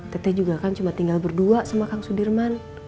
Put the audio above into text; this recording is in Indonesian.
tete juga kan cuma tinggal berdua sama kang sudirman